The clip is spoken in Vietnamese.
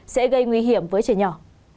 sẽ gây nguy hiểm với trẻ nhỏ